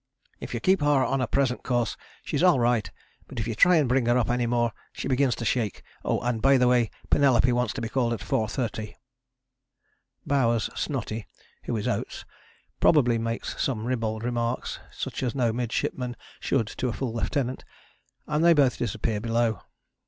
"If you keep her on her present course, she's all right, but if you try and bring her up any more she begins to shake. And, by the way, Penelope wants to be called at 4.30." Bowers' 'snotty,' who is Oates, probably makes some ribald remarks, such as no midshipman should to a full lieutenant, and they both disappear below.